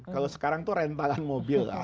kalau sekarang itu rentalan mobil lah